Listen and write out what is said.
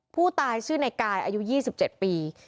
ผู้ตายชื่อในกายอายุ๒๗ปี